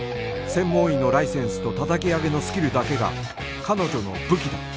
専門医のライセンスと叩き上げのスキルだけが彼女の武器だ